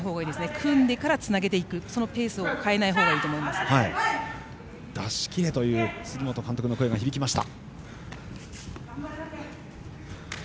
組んでから、つなげていくそのペースを出し切れという杉本監督の声が響きました。